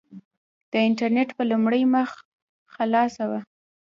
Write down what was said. د انټرنېټ په لومړۍ مخ خلاصه وه.